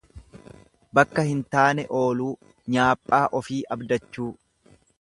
Bakka hin taane ooluu, nyaaphaa ofii abdachuu.